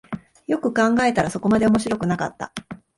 よく考えたらそこまで面白くなかった